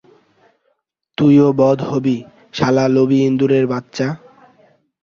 তুইও বধ হবি, শালা লোভী ইঁদুরের বাচ্চা।